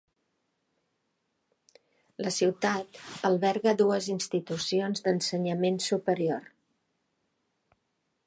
La ciutat alberga dues institucions d'ensenyament superior.